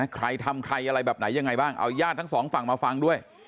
ใครทำใครอะไรแบบไหนยังไงบ้างเอาญาติทั้งสองฝั่งมาฟังด้วย